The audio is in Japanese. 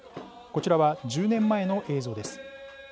こちらは、１０年前の映像です。